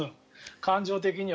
感情的には。